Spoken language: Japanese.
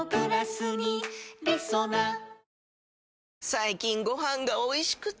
最近ご飯がおいしくて！